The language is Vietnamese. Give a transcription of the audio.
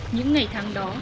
những ngày tháng đó